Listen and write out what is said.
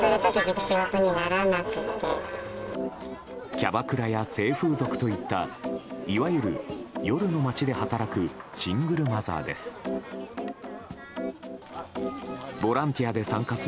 キャバクラや性風俗といったいわゆる夜の街で働くシングルマザーです。